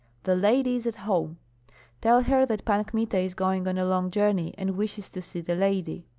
"The lady is at home." "Tell her that Pan Kmita is going on a long journey and wishes to see the lady."